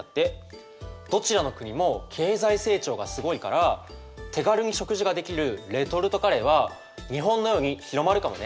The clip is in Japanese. どちらの国も経済成長がすごいから手軽に食事ができるレトルトカレーは日本のように広まるかもね。